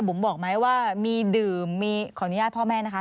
บอกไหมว่ามีดื่มมีขออนุญาตพ่อแม่นะคะ